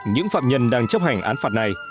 những phạm nhân đang chấp hành án phạt này